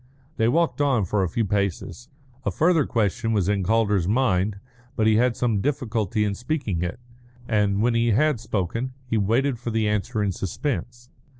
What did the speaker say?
They walked on for a few paces. A further question was in Calder's mind, but he had some difficulty in speaking it, and when he had spoken he waited for the answer in suspense.